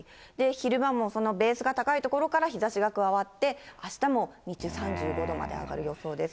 昼間もそのベースが高いところから日ざしが加わって、あしたも日中３５度まで上がる予想です。